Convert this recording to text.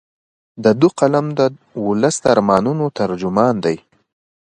د ده قلم د ولس د ارمانونو ترجمان دی.